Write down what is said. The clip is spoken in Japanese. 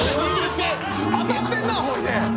当たってんなほいで。